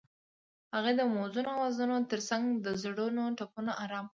هغې د موزون اوازونو ترڅنګ د زړونو ټپونه آرام کړل.